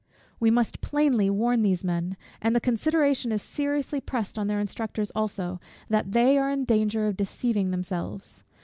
We must plainly warn these men, and the consideration is seriously pressed on their instructors also, _that they are in danger of deceiving themselves.